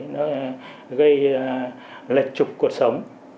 nó gây lệch trục cuộc sống